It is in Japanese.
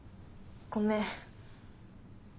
ごめん。